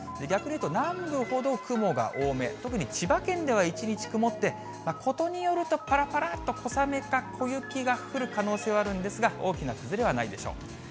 逆に言うと、南部ほど雲が多め、特に千葉県では一日雲って、ことによると、ぱらぱらっと小雨か小雪が降る可能性はあるんですが、大きな崩れはないでしょう。